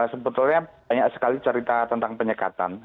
sebetulnya banyak sekali cerita tentang penyekatan